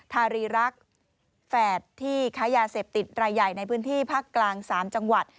ทารีรักษ์แฝดที่ค้ายาเสพติดรายใหญ่ในพื้นที่ภาคกลาง๓จังหวัด